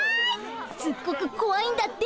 すっごくこわいんだって。